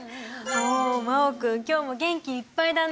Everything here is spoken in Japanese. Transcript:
お真旺君今日も元気いっぱいだね。